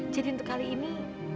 jadi untuk kali ini